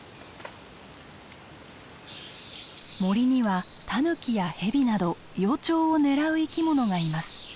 森にはタヌキやヘビなど幼鳥を狙う生き物がいます。